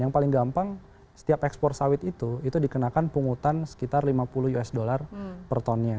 yang paling gampang setiap ekspor sawit itu itu dikenakan pungutan sekitar lima puluh usd per tonnya